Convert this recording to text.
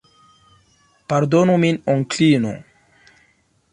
Pardonu min, Onklino.